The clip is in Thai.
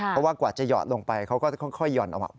เพราะว่ากว่าจะหยอดลงไปเขาก็จะค่อยหย่อนออกมา